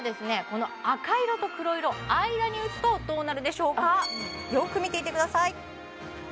この赤色と黒色間に打つとどうなるでしょうかよく見ていてください